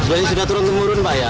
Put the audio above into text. sebenarnya sudah turun temurun pak ya